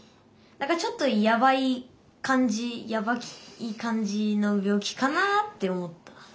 何かちょっとやばい感じやばい感じの病気かなって思った。